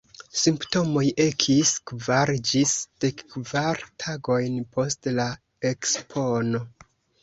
Simptomoj ekis kvar ĝis dekkvar tagojn post la ekspono.